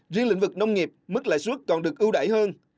riêng lĩnh vực nông nghiệp mức lãi suất còn được ưu đại hơn